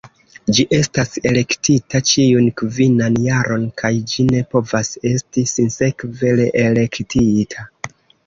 Ĝi estas elektita ĉiun kvinan jaron kaj ĝi ne povas esti sinsekve reelektita.